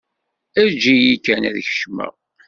Eǧǧ-iyi kan ad kecmeɣ.